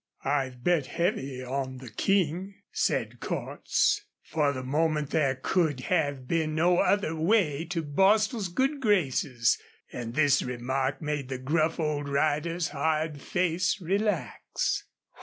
"I've bet heavy on the King," said Cordts. For the moment there could have been no other way to Bostil's good graces, and this remark made the gruff old rider's hard face relax.